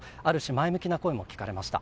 前向きな声も聞かれました。